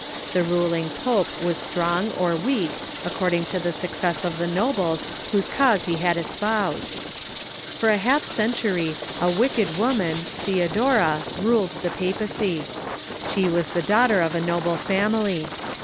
I he ruling jiope was strong or weak, according to the success of the nobles whose cause he had espoused. For a half century a wicked woman, Theodora, ruled the papacy. She was the daughter of a noble family.